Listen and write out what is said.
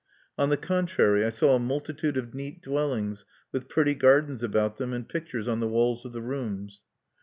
On the contrary, I saw a multitude of neat dwellings, with pretty gardens about them, and pictures on the walls of the rooms.